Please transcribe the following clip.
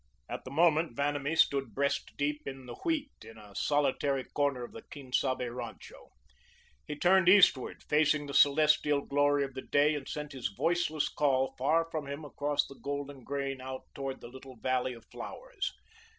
At the moment, Vanamee stood breast deep in the wheat in a solitary corner of the Quien Sabe rancho. He turned eastward, facing the celestial glory of the day and sent his voiceless call far from him across the golden grain out towards the little valley of flowers.